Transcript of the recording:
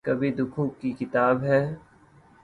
کبھی دکھوں کی کتاب ہے